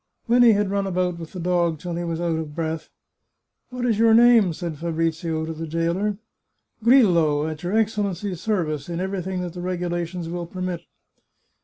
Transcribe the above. When he had run about with the dog till he was out of breath —" What is your name ?" said Fabrizio to the jailer. " Grillo, at your Excellency's service, in everything that the regulations will permit."